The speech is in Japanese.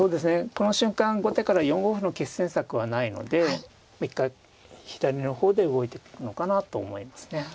この瞬間後手から４五歩の決戦策はないので一回左の方で動いていくのかなと思いますね。